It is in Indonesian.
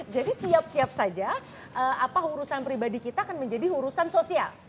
jadi siap siap saja apa urusan pribadi kita akan menjadi urusan sosial